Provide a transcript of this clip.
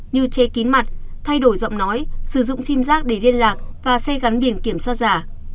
như che kín mặt thay đổi giọng nói sử dụng sim giác để liên lạc và xe gắn biển kiểm soát giả